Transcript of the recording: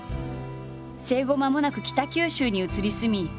生後まもなく北九州に移り住み